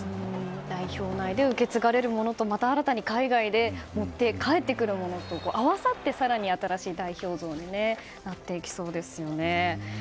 代表内で受け継がれるものとまた新たに、海外から持って帰ってくるものと合わさって更に合わさって新しい代表像になっていきそうですね。